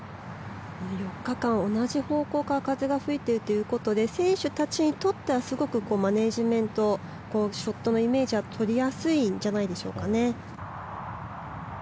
４日間、同じ方向から風が吹いているということで選手たちにとってはすごくマネジメントショットのイメージは取りやすいんじゃないでしょうか。